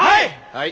はい！